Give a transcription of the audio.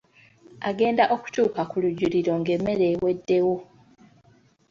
Agenda okutuuka ku lujjuliro ng'emmere eweddewo.